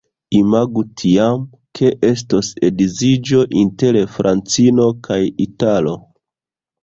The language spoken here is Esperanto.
Imagu tiam, ke estos edziĝo inter francino kaj italo.